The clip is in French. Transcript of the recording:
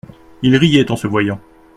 Il riait en se voyant.